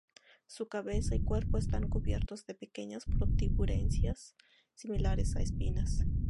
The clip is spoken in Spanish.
Su cabeza y cuerpo están cubiertos de pequeñas protuberancias similares a espinas.